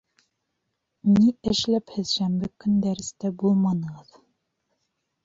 Ни эшләп һеҙ шәмбе кон дәрестә булманығыҙ?